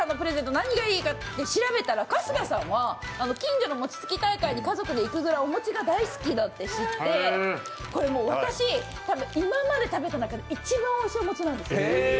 何がいいか調べたら、春日さんは近所の餅つき大会に家族で行くぐらいお餅が大好きだと知って、これ私、今まで食べた中で一番おいしいお餅なんですよ。